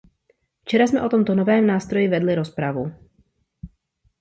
Včera jsme o tomto novém nástroji vedli rozpravu.